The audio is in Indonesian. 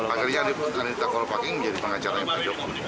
akhirnya anita kolo paking menjadi pengacaranya pak joko